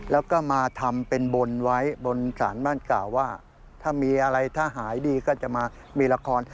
แล้วก็มาทำเป็นบนไว้บนสารบ้านเก่าว่าถ้ามีอะไรถ้าหายดีก็จะมามีละคร